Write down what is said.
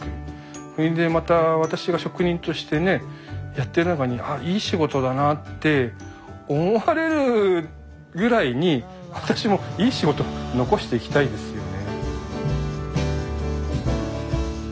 それでまた私が職人としてねやってる中に「あいい仕事だな」って思われるぐらいに私もいい仕事残していきたいですよね。